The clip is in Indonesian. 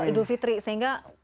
idul fitri sehingga